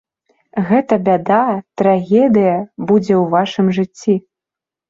Гэта бяда, трагедыя будзе ў вашым жыцці.